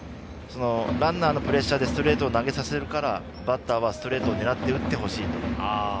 ランナーのプレッシャーでストレートを投げさせますのでバッターはストレートをねらって打ってほしいと。